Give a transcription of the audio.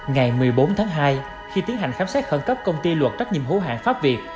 ngày một mươi bốn tháng hai khi tiến hành khám xét khẩn cấp công ty luật trách nhiệm hữu hạng pháp việt